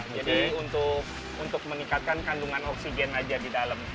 jadi untuk meningkatkan kandungan oksigen aja di dalam